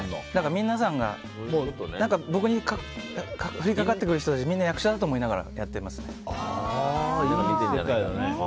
皆さんが僕に降りかかってくる人たちみんな役者だと思いながらやってます。